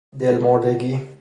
دل مردگی